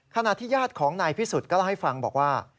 ขณะที่ญาติของนายพิสุทธิ์ก็เล่าให้ฟังบอกว่า